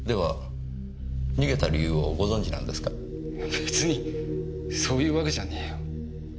別にそういうわけじゃねえよ。